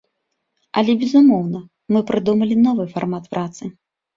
Але, безумоўна, мы прыдумалі новы фармат працы.